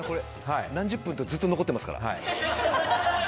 何十分ってずっと残っていますから。